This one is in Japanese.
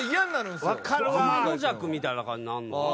あまのじゃくみたいな感じになるのかな